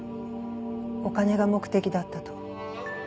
お金が目的だったと。